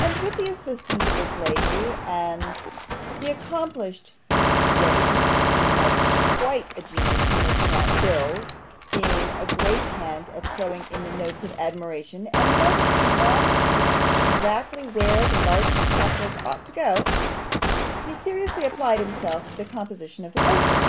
And with the assistance of this lady, and the accomplished Mrs. Grudden (who had quite a genius for making out bills, being a great hand at throwing in the notes of admiration, and knowing from long experience exactly where the largest capitals ought to go), he seriously applied himself to the composition of the poster.